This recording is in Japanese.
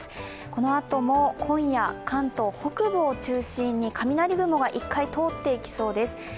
このあとも今夜、関東北部を中心に雷雲が１回通っていきそうです。